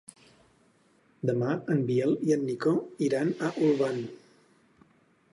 Demà en Biel i en Nico iran a Olvan.